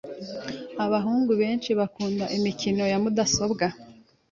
Abahungu benshi bakunda imikino ya mudasobwa .